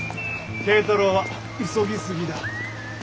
慶太朗は急ぎすぎだ。